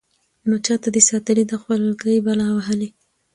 نو چاته دې ساتلې ده خولكۍ بلا وهلې.